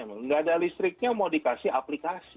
tidak ada listriknya mau dikasih aplikasi